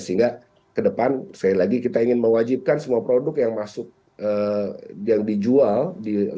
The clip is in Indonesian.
sehingga ke depan sekali lagi kita ingin mewajibkan semua produk yang dijual di lokal pasar itu